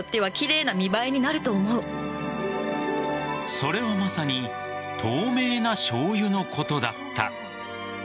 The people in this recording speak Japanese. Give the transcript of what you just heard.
それはまさに透明なしょうゆのことだった。